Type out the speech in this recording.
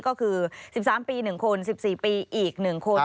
ก็คือ๑๓ปี๑คน๑๔ปีอีก๑คน